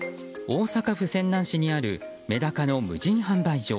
大阪府泉南市にあるメダカの無人販売所。